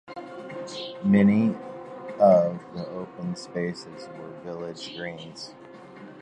Many of the open spaces were village greens.